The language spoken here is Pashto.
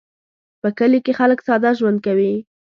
په کلي کې خلک ساده ژوند کوي